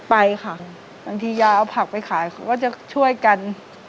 ไปค่ะบางทียาเอาผักไปขายเขาก็จะช่วยกัน